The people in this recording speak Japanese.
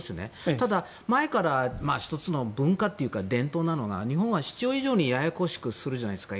ただ、前から１つの文化というか伝統なのが日本は必要以上にややこしくするじゃないですか。